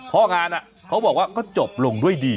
พ่องานเขาบอกว่าก็จบลงด้วยดี